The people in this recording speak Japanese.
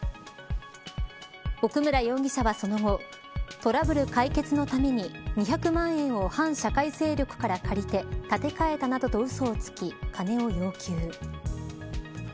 奥村容疑者はその後トラブル解決のために２００万円を反社会勢力から借りて立て替えたなどとうそをつき、金を要求。